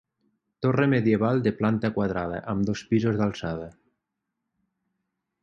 Torre medieval de planta quadrada, amb dos pisos d'alçada.